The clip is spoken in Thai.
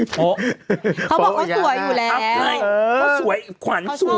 เขาบอกว่าสวยอยู่แล้วเออเขาบอกว่าอย่างนั้น